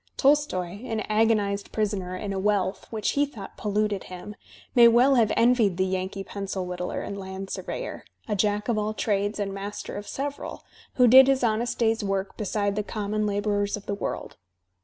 Tol stoy, an agonized prisoner in a wealth which he thought polluted him, may well have envied the Yankee pencil whittler and land surveyor, a jack of all trades and master of several, who did his honest day's work beside the conmion labourers of the world.